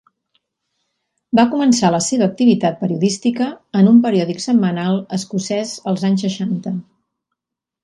Va començar la seva activitat periodística en un periòdic setmanal escocès els anys seixanta.